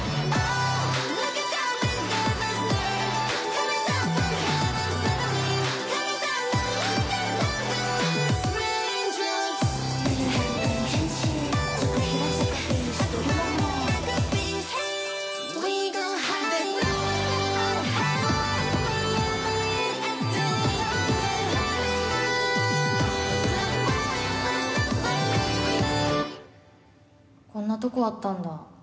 こんなとこあったんだ。